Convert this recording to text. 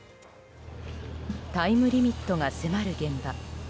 タイムリミットが迫る現場。